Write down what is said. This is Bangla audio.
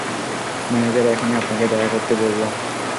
ম্যানেজার এখনই আপনাকে দেখা করতে বলল।